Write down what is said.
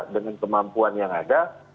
dengan kemampuan yang ada